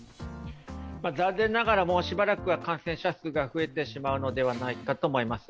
残念ながらもうしばらくは感染者数が増えてしまうのではないかと思います。